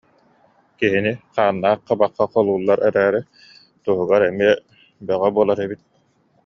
Киһини хааннаах хабахха холууллар эрээри туһугар эмиэ бөҕө буолар эбит